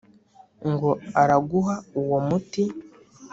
ngo araguha uwo muti!’